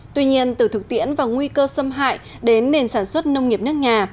tuy nhiên từ thực tiễn và nguy cơ xâm hại đến nền sản xuất nông nghiệp nước nhà